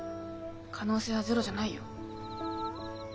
可能性はゼロじゃないよ。